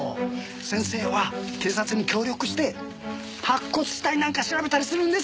先生は警察に協力して白骨死体なんか調べたりするんでしょう？